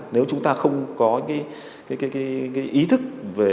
nếu chúng ta không có ý thức